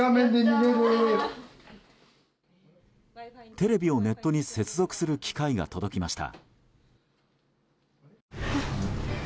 テレビをネットに接続する機械が届きました。